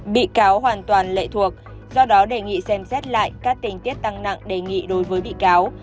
bị cáo hoàn toàn lệ thuộc do đó đề nghị xem xét lại các tình tiết tăng nặng đề nghị đối với bị cáo